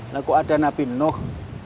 lalu ada nabi nuh